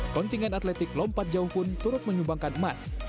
kontingen atletik lompat jauh pun turut menyumbangkan emas